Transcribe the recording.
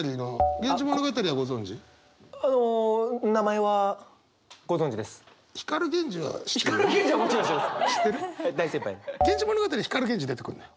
「源氏物語」に光源氏出てくんのよ。